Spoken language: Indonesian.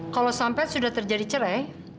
kalau sampai sudah terjadi cerai